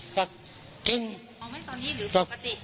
เก่งเอาไหมตอนนี้หรือปกติ